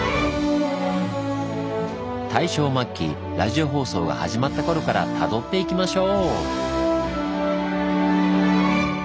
大正末期ラジオ放送が始まった頃からたどっていきましょう！